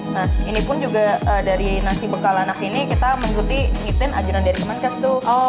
nah ini pun juga dari nasi bekalanak ini kita mengikuti ngitin ajaran dari kemenkes tuh